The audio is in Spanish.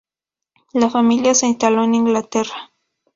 La familia se instaló en Inglaterra.